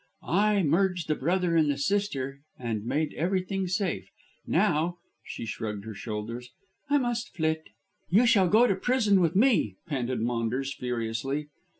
I merged the brother in the sister and made everything safe. Now," she shrugged her shoulders, "I must flit." "You shall go to prison with me," panted Maunders furiously.